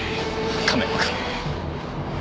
亀山くん。